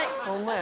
や